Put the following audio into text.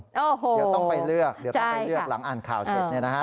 เดี๋ยวต้องไปเลือกหลังอ่านข่าวเสร็จนะครับ